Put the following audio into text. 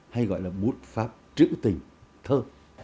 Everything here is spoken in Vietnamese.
hay gọi là bút pháp trữ tình thơ